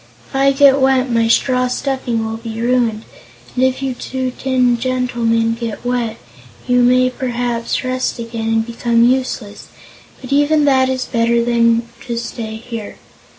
If I get wet, my straw stuffing will be ruined, and if you two tin gentlemen get wet, you may perhaps rust again, and become useless. But even that is better than to stay here.